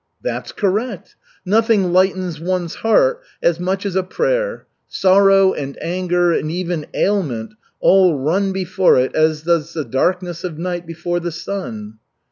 "That's correct. Nothing lightens one's heart as much as a prayer. Sorrow and anger, and even ailment, all run before it as does the darkness of night before the sun."